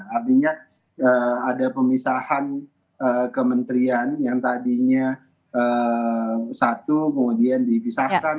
artinya ada pemisahan kementerian yang tadinya satu kemudian dipisahkan